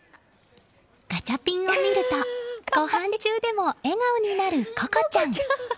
ガチャピンをみるとごはん中でも笑顔になる幸來ちゃん。